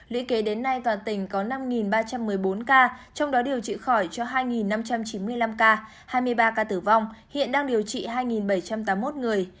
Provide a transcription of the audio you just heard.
lý kế đến nay toàn tỉnh có năm ba trăm một mươi bốn ca trong đó điều trị khỏi cho hai năm trăm chín mươi năm ca hai mươi ba ca tử vong hiện đang điều trị hai bảy trăm tám mươi một người